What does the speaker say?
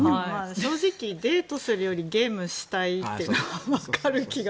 正直デートするよりゲームしたいっていうのは分かる気が。